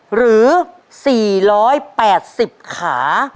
หรือ๔๘๐ขา